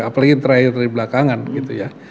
apalagi terakhir dari belakangan gitu ya